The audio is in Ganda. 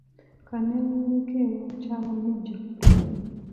Ka neewunguleko ewa mukyala muggya katono.